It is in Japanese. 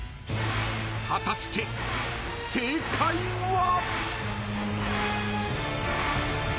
［果たして正解は？］